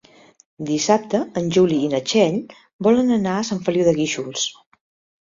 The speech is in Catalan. Dissabte en Juli i na Txell volen anar a Sant Feliu de Guíxols.